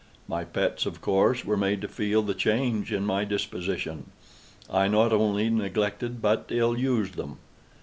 My pets, of course, were made to feel the change in my disposition. I not only neglected, but ill used them.